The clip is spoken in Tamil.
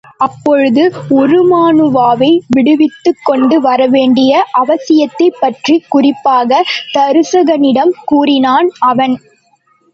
அப்போது உருமண்ணுவாவை விடுவித்துக் கொண்டு வர வேண்டிய அவசியத்தைப் பற்றிக் குறிப்பாகத் தருசகனிடம் கூறினான் அவன்.